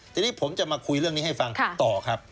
ทีนี้ผมจะมาคุยเรื่องนี้ให้ฟังต่อครับ